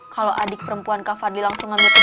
kalau adik perempuan kak farly langsung ngambil ke diza